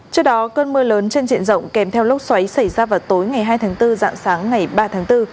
trước đó cơn mưa lớn trên diện rộng kèm theo lốc xoáy xảy ra vào tối ngày hai tháng bốn dạng sáng ngày ba tháng bốn